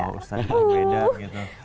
kalau ustaz beda gitu